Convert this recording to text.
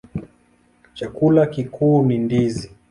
Chakula kikuu ni ndizi.